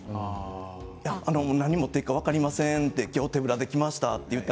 何を持っていくか分かりません手ぶらで来ましたって。